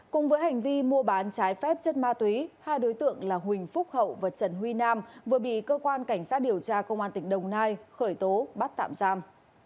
cùng với hành vi mua bán trái phép chất ma túy hai đối tượng là huỳnh phúc hậu và trần huy nam vừa bị cơ quan cảnh sát điều tra công an tỉnh đồng nai khởi tố bắt tạm giam